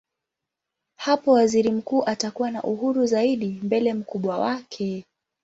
Hapo waziri mkuu atakuwa na uhuru zaidi mbele mkubwa wake.